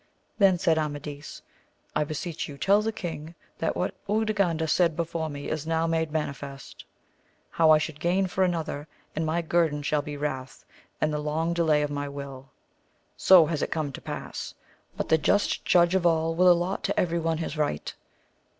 Then said Amadis, I beseech you tell the king that what Urganda said before me is now made manifest, how I should gain for another, and my guerdon should be wrath, and the long delay of my will ! So has it come to pass ! but the just Judge of all will allot to every one his right.